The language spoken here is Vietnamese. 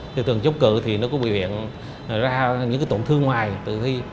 thì tường chống cử thì nó có biểu hiện ra những cái tổn thương ngoài tử thi